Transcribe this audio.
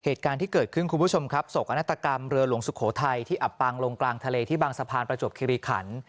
เหตุการณ์ที่เกิดขึ้นคุณผู้ชมครับโศกนาฏกรรมเรือหลวงสุโขทัยที่อับปางลงกลางทะเลที่บางสะพานประจวบคิริขัน